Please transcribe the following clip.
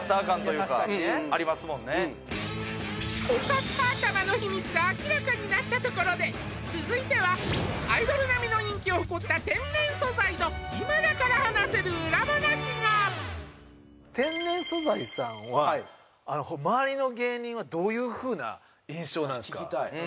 おかっぱ頭の秘密が明らかになったところで続いてはアイドル並みの人気を誇った天然素材の今だから話せる裏話が天然素材さんは周りの芸人はどういうふうな印象なんすか？